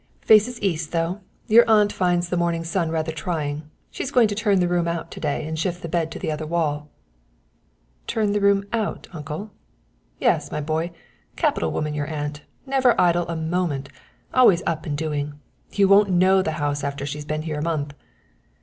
"Faces east, though; your aunt finds the morning sun rather trying. She's going to turn the room out to day and shift the bed to the other wall." "Turn out the room, uncle?" "Yes, my boy; capital woman your aunt, never idle a moment, always up and doing. You won't know this house after she's been here a month."